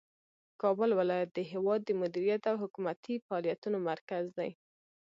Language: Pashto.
کابل ولایت د هیواد د مدیریت او حکومتي فعالیتونو مرکز دی.